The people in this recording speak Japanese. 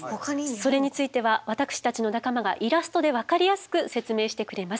それについては私たちの仲間がイラストで分かりやすく説明してくれます。